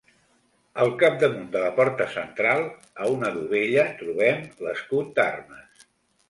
Al capdamunt de la porta central, a una dovella trobem l'escut d'armes.